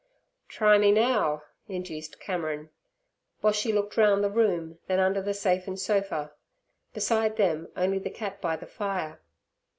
'Try me now' induced Cameron. Boshy looked round the room, then under the safe and sofa. Beside them only the cat by the fire.